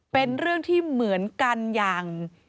เป็นเรื่องที่เหมือนกันอย่าง